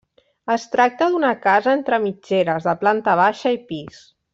Es tracta d'una casa entre mitgeres, de planta baixa i pis.